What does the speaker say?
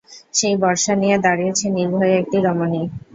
সেই বর্শা নিয়ে দাঁড়িয়েছে নির্ভয়ে একটি রমণী।